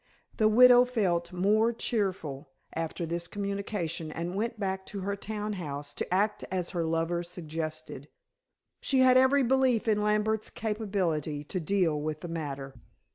The widow felt more cheerful after this communication, and went back to her town house to act as her lover suggested. She had every belief in Lambert's capability to deal with the matter.